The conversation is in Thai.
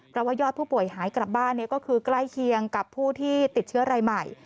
เพราะว่ายอดผู้ป่วยหายกลับบ้านก็คือใกล้เคียงกับผู้ที่ติดเชื้อรายใหม่